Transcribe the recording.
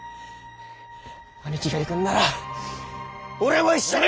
あにきが行ぐんなら俺も一緒に。